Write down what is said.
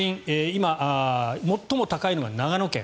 今、最も高いのが長野県。